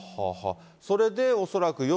それで恐らく、よ